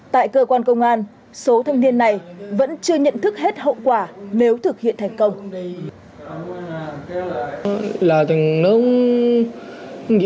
tại cơ quan công an số thanh niên này vẫn chưa nhận thức hết hậu quả nếu thực hiện thành công